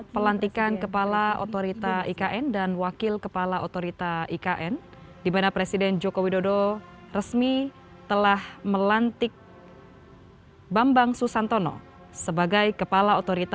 perhatikan itu yang indah sekali